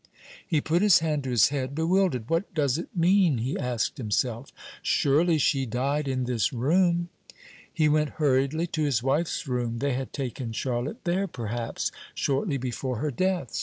He put his hand to his head, bewildered. "What does it mean?" he asked himself; "surely she died in this room!" He went hurriedly to his wife's room. They had taken Charlotte there, perhaps, shortly before her death.